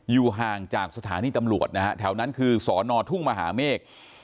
อยู่ห่างจากสถานีตำรวจนะฮะแถวนั้นคือสอนอทุ่งมหาเมฆ